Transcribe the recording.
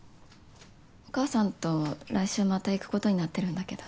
お義母さんと来週また行くことになってるんだけど。